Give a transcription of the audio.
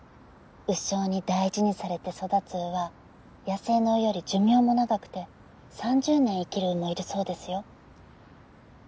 鵜匠に大事にされて育つ鵜は野生の鵜より寿命も長くて３０年生きる鵜もいるそうですよ。